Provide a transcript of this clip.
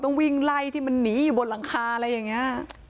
ต้องวิ่งไล่ที่มันหนีอยู่บนหลังคาอะไรอย่างนี้